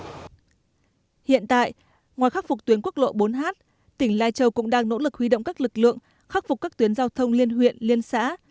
hiện tại ngoài khắc phục tuyến quốc lộ bốn h tỉnh lai châu cũng đang nỗ lực huy động các lực lượng khắc phục các tuyến giao thông liên huyện liên xã